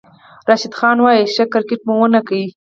راشد خان وايي، "ښه کرېکټ مو ونه کړ"